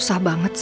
susah banget sih